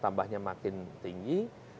tambahnya makin tinggi